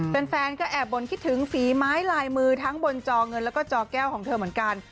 แฟนก็แอบบนคิดถึงฝีไม้ลายมือทั้งบนจอเงินแล้วก็จอแก้วของเธอเหมือนกัน